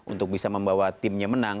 untuk bisa membawa timnya menang